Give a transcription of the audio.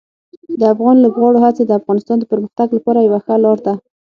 د افغان لوبغاړو هڅې د افغانستان د پرمختګ لپاره یوه ښه لار ده.